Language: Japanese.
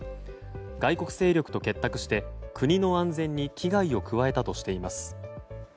外国勢力と結託して国の安全に危害を加えたとしています。